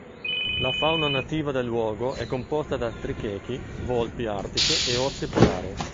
La fauna nativa del luogo è composta da trichechi, volpi artiche e orsi polari.